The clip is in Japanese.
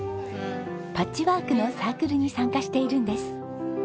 パッチワークのサークルに参加しているんです。